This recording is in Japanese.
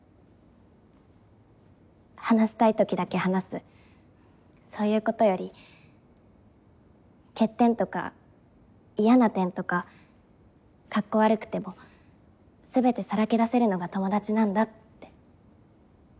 話したい時だけ話すそういうことより欠点とか嫌な点とかカッコ悪くても全てさらけ出せるのが友達なんだって。